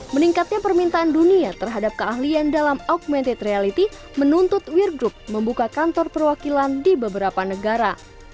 meningkatnya permintaan dunia terhadap keahlian dalam augmented reality menuntut weir group membuka kantor perwakilan di beberapa negara